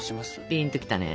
ピンと来たね。